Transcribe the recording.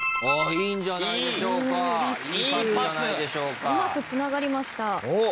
うまくつながりました。